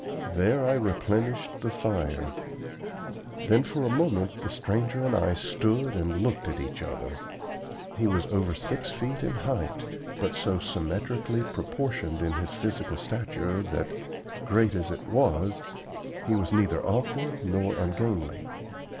There I replenished the fire. Then for a moment the stranger and I stood and looked at each other. He was over six feet in height, but so symmetrically proportioned in his physical stature that, great as it was, he was neither awkward nor ungainly.